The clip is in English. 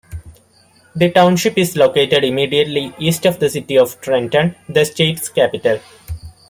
The township is located immediately east of the city of Trenton, the state's capital.